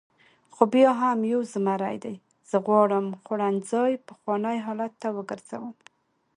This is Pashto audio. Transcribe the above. خو بیا هم یو زمري دی، زه غواړم خوړنځای پخواني حالت ته وګرځوم.